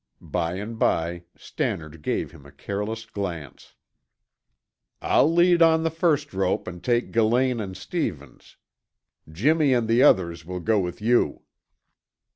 By and by Stannard gave him a careless glance. "I'll lead on the first rope and take Gillane and Stevens. Jimmy and the others will go with you."